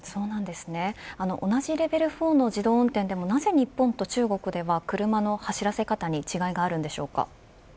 同じレベル４の自動運転でもなぜ日本と中国では車の走らせ方に違いがあるんでしょうか。